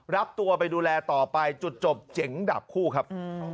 รับตัวไปดูแลต่อไปจุดจบเจ๋งดับคู่ครับ